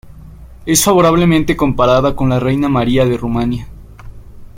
Es favorablemente comparada con la reina María de Rumanía.